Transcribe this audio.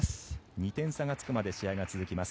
２点差がつくまで試合は続きます。